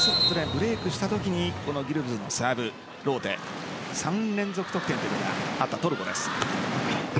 ブレークしたときにギュルビュズのサーブローテ３連続得点というのがあったトルコです。